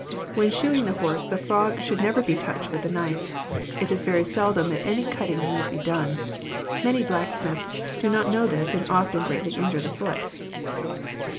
When shoeing the horse the frog should not be touched with the knife. It is very seldom that any cutting need be done. Many blacksmiths do not know this and often greatly injure the foot.